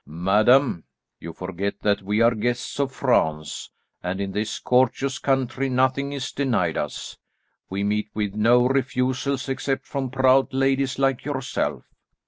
"Madam, you forget that we are guests of France, and in this courteous country nothing is denied us. We meet with no refusals except from proud ladies like yourself.